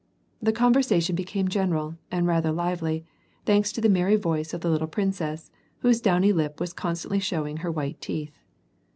The conversation became general, and ratlirr lively, thanks to the merry voice of the little princess, wliose downy lip was constantly showing her white teeth.